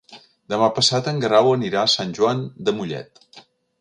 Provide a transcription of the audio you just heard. Demà passat en Guerau anirà a Sant Joan de Mollet.